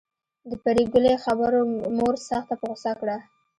د پري ګلې خبرو مور سخته په غصه کړه